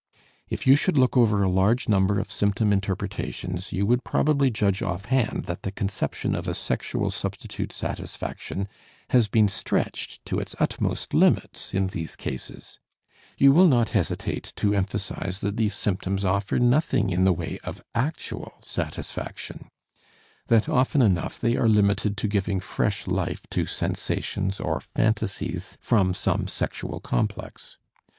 If you should look over a large number of symptom interpretations, you would probably judge offhand that the conception of a sexual substitute satisfaction has been stretched to its utmost limits in these cases. You will not hesitate to emphasize that these symptoms offer nothing in the way of actual satisfaction, that often enough they are limited to giving fresh life to sensations or phantasies from some sexual complex.